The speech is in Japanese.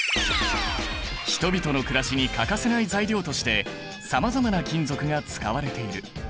人々のくらしに欠かせない材料としてさまざまな金属が使われている。